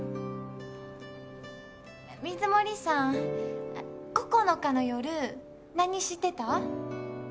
水森さん９日の夜何してた？